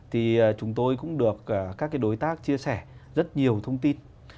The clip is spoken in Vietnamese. thì chúng tôi cũng được các đối tác chia sẻ rất nhiều thông tin